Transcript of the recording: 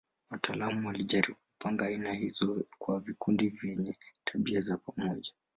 Wataalamu walijaribu kupanga aina hizo kwa vikundi vyenye tabia za pamoja.